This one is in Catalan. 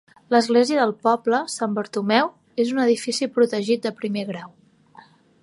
L'església del poble, Sant Bartomeu, és un edifici protegit de primer grau.